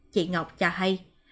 chị ngọc cho hay